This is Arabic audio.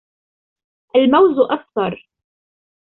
الموز أصفر.